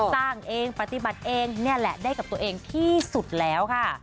สร้างเองปฏิบัติเองนี่แหละได้กับตัวเองที่สุดแล้วค่ะ